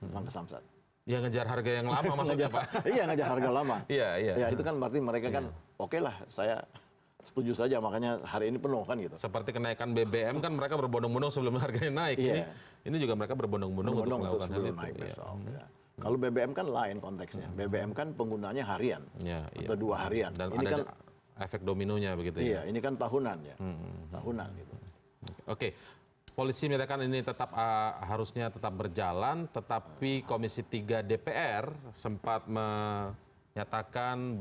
yang ngejar harga yang lama maksudnya pak